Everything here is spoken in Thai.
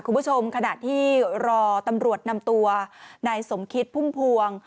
คุณผู้ชมขณะที่รอตำรวจนำตัวนายสมคิดพุ่มพวง